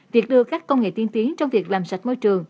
việc đưa các công nghệ tiên tiến trong việc làm sạch môi trường